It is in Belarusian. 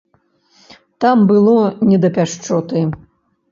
Там было не да пяшчоты.